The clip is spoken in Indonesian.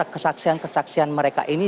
kesaksian kesaksian mereka ini